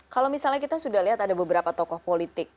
kalau misalnya kita sudah lihat ada beberapa tokoh politik